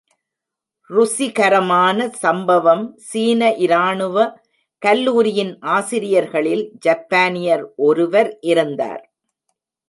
ருசிகரமான சம்பவம் சீன இராணுவ கல்லூரியின் ஆசிரியர்களில் ஜப்பானியர் ஒருவர் இருந்தார்.